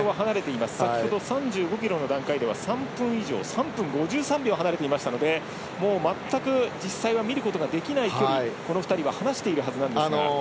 先ほど３５ｋｍの段階では３分５３秒離れていましたのでもう全く実際は見ることができない距離でこの２人は離しているはずですが。